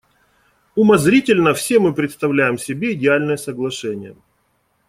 Умозрительно все мы представляем себе идеальное соглашение.